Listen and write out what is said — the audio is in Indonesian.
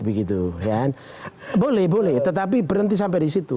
boleh boleh tetapi berhenti sampai disitu